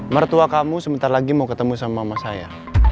mertua kamu sebentar lagi mau ketemu sama mama saya